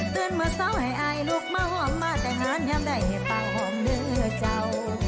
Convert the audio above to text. เตือนเมื่อเซาให้อายลูกมาหอมมาแตะหาดยังได้ให้ปลาหอมเหลือเจ้า